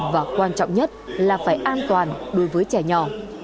và quan trọng nhất là phải an toàn đối với trẻ nhỏ